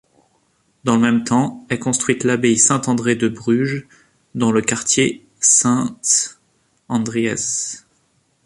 Dans le même temps est construite l'abbaye Saint-André de Bruges dans le quartier Sint-Andries.